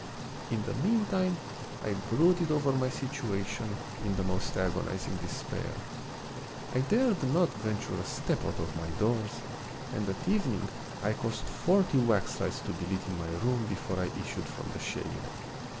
In the mean time I brooded over my situation in the most agonizing despair. I dared not ven ture a step out of my doors, and at evening I caused forty waxlights to be lit in my room be fore I issued from the shade.